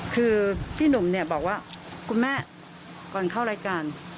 คือพี่หนุ่มเนี่ยบอกว่าคุณแม่ก่อนเข้ารายการ